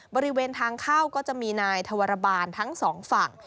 บริเวณทางเข้าก็จะมีนายธวรบาลทั้งสองฝั่ง